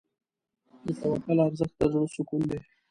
د توکل ارزښت د زړه سکون دی.